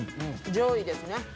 上位ですね。